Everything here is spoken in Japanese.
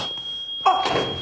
あっ！